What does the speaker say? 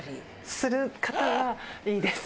する方がいいです。